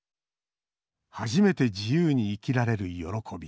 初めて自由に生きられる喜び。